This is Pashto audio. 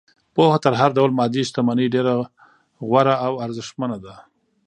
پوهه تر هر ډول مادي شتمنۍ ډېره غوره او ارزښتمنه ده.